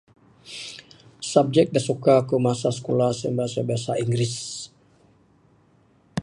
Subjek da suka ku masa sikulah sien mah bahasa inggeris.